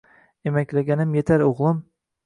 Emaklaganim yetar, oʻgʻlim